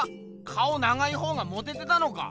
顔長いほうがモテてたのか？